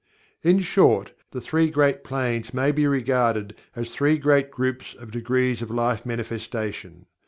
In short, the Three Great Planes may be regarded as three great groups of degrees of Life Manifestation.